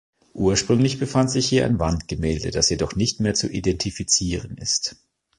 Ursprünglich befand sich hier ein Wandgemälde, das jedoch nicht mehr zu identifizieren ist.